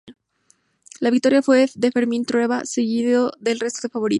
La victoria fue de Fermín Trueba seguido del resto de favoritos.